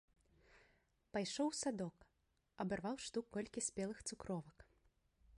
Пайшоў у садок, абарваў штук колькі спелых цукровак.